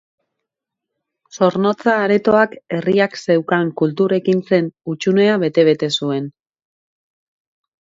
Zornotza Aretoak herriak zeukan kultur ekintzen hutsunea bete bete zuen.